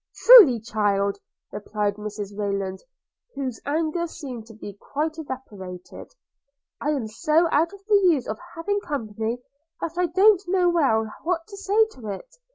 'Truly, child,' replied Mrs Rayland, whose anger seemed to be quite evaporated, 'I am so out of the use of having company, that I don't know well what to say to it.